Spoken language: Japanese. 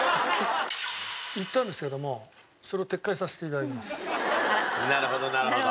言ったんですけどもそれをなるほどなるほど。